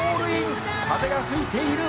「風が吹いている。